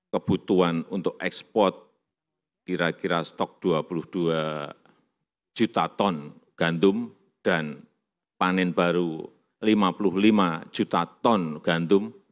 kebutuhan untuk ekspor kira kira stok dua puluh dua juta ton gandum dan panen baru lima puluh lima juta ton gandum